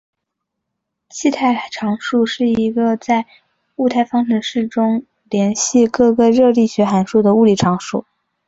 气体常数是一个在物态方程式中连系各个热力学函数的物理常数。